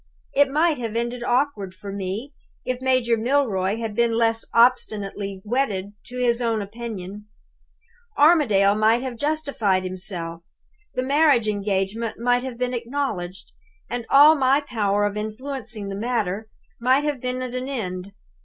It might have ended awkwardly for me. If Major Milroy had been less obstinately wedded to his own opinion, Armadale might have justified himself; the marriage engagement might have been acknowledged; and all my power of influencing the matter might have been at an end.